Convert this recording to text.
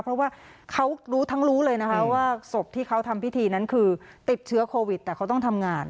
เพราะว่าเขารู้ทั้งรู้เลยนะคะว่าศพที่เขาทำพิธีนั้นคือติดเชื้อโควิดแต่เขาต้องทำงาน